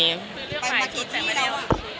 คือเลือกมากี่ที่แล้วอ่ะ